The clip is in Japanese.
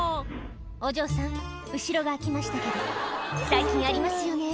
お嬢さん後ろが開きましたけど最近ありますよね